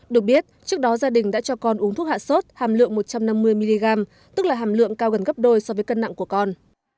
được biết trước đó gia đình đã cho con uống thuốc hạ sốt hàm lượng một trăm năm mươi mg tức là hàm lượng cao gần gấp đôi so với cân nặng của con